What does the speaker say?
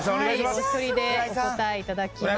お一人でお答えいただきます。